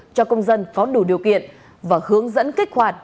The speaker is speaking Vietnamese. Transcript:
cho công dân có đủ điều kiện và hướng dẫn kích hoạt